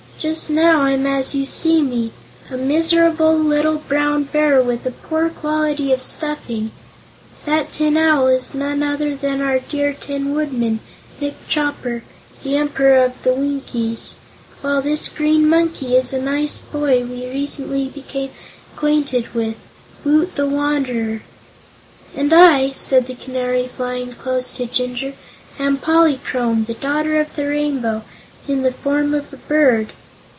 Just now I'm as you see me a miserable little Brown Bear with a poor quality of stuffing. That Tin Owl is none other than our dear Tin Woodman Nick Chopper, the Emperor of the Winkies while this Green Monkey is a nice little boy we recently became acquainted with, Woot the Wanderer." "And I," said the Canary, flying close to Jinjur, "am Polychrome, the Daughter of the Rainbow, in the form of a bird."